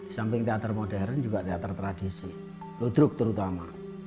di samping teater modern juga teater tradisi ludruk terutama